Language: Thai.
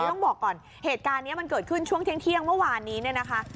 ต้องบอกก่อนเหตุการณ์นี้มันเกิดขึ้นช่วงเที่ยงเมื่อวานนี้เนี่ยนะคะ